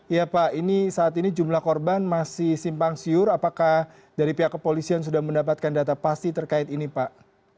ya pak ini saat ini jumlah korban masih simpang siur apakah dari pihak kepolisian sudah mendapatkan data pasti terkait ini pak